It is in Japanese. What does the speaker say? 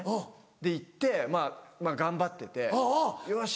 で行ってまぁ頑張っててよし！